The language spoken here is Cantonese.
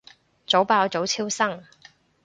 早爆早超生